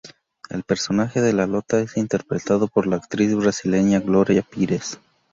El personaje de Lota es interpretado por la actriz brasileña Gloria Pires.